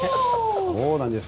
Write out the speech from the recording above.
そうなんです。